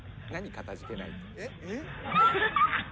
「かたじけない」って。